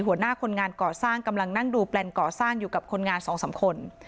หัวหน้าคนงานก่อสร้างกำลังนั่งดูแปลนก่อสร้างอยู่กับคนงาน๒๓คน